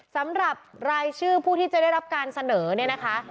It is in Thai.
สำหรับรายชื่อผู้ที่จะได้รับการเสนอเนี่ยนะคะ